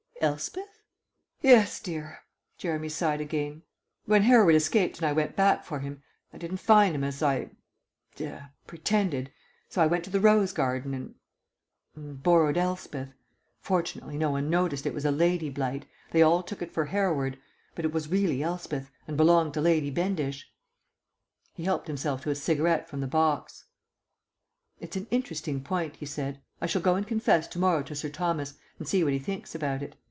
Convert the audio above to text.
"Elspeth?" "Yes, dear." Jeremy sighed again. "When Hereward escaped and I went back for him, I didn't find him as I er pretended. So I went to the rose garden and and borrowed Elspeth. Fortunately no one noticed it was a lady blight ... they all took it for Hereward.... But it was really Elspeth and belonged to Lady Bendish." He helped himself to a cigarette from the box. "It's an interesting point," he said. "I shall go and confess to morrow to Sir Thomas, and see what he thinks about it.